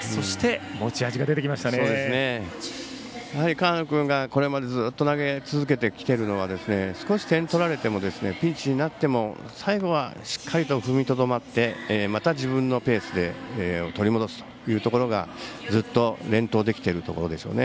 河野君がこれまで投げ合いを続けてこられているのは少し点を取られてもピンチになっても最後はしっかりと踏みとどまってまた自分のペースを取り戻すというところがずっと連投できているところでしょうね。